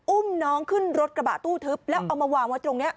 อุ้มน้องขึ้นรถกระบะตู้ทึบแล้วเอามาวางไว้ตรงนี้